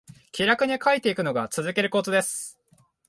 気楽に書いていくのが続けるコツです